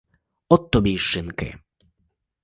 От тобі й шинки!